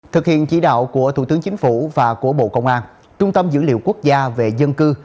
thực hiện chỉ đạo của thủ tướng chính phủ và của bộ công an trung tâm dữ liệu quốc gia về dân cư